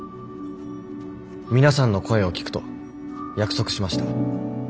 皆さんの声を聞くと約束しました。